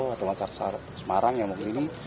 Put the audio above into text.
atau masyarakat semarang yang disini